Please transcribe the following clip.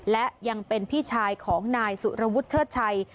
และยังเป็นพี่ชายของนายสุรวุฒิเชิดชัย